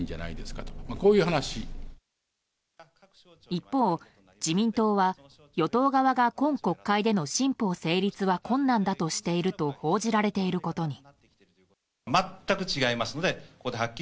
一方、自民党は与党側が今国会での新法成立は困難だとしていると報じられていることに。